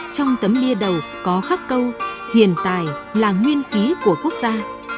trong tấm bia đầu có khắc câu hiền tài là nguyên khí của quốc gia